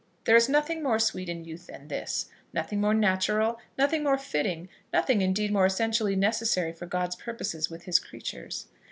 There is nothing more sweet in youth than this, nothing more natural, nothing more fitting, nothing, indeed, more essentially necessary for God's purposes with his creatures.